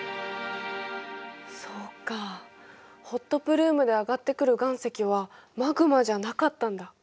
そっかホットプルームで上がってくる岩石はマグマじゃなかったんだ。